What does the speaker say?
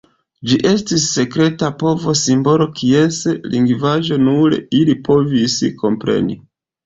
Ĝi estis sekreta povo-simbolo kies lingvaĵo nur ili povis kompreni.